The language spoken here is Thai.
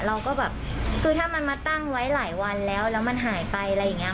เราก็แบบคือถ้ามันมาตั้งไว้หลายวันแล้วแล้วมันหายไปอะไรอย่างนี้